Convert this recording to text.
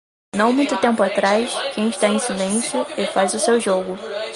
Não muito tempo atrás, quem está em silêncio e faz o seu jogo.